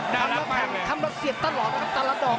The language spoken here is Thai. ดาลากมากเลยทำละเสียบตลอดแล้วกับตาลักดอก